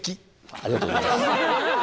ありがとうございます。